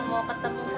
ya udah kita pergi dulu